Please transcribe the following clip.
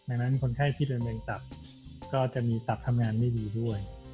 ดังนั้นคนไข้ที่เดินเรงตับก็จะมีตับทำงานไม่ดีด้วย